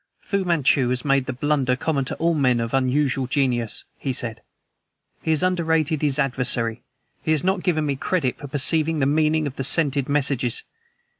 "Fu Manchu has made the blunder common to all men of unusual genius," he said. "He has underrated his adversary. He has not given me credit for perceiving the meaning of the scented messages.